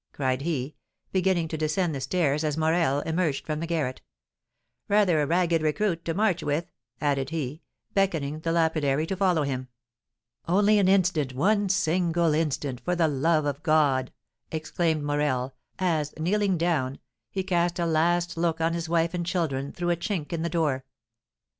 cried he, beginning to descend the stairs as Morel emerged from the garret. "Rather a ragged recruit to march with," added he, beckoning to the lapidary to follow him. "Only an instant, one single instant, for the love of God!" exclaimed Morel, as, kneeling down, he cast a last look on his wife and children through a chink in the door.